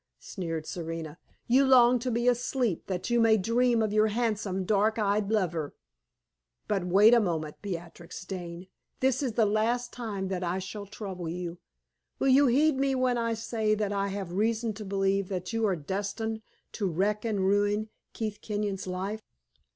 sneered Serena. "You long to be asleep that you may dream of your handsome, dark eyed lover! But wait a moment, Beatrix Dane. This is the last time that I shall trouble you. Will you heed me when I say that I have reason to believe that you are destined to wreck and ruin Keith Kenyon's life?